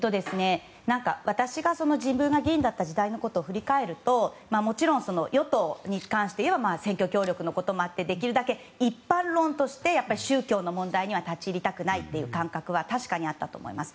私が自分が議員だった時代のことを振り返るともちろん、与党に関して言えば選挙協力のこともあってできるだけ一般論として宗教の問題には立ち入りたくないという感覚は確かにあったと思います。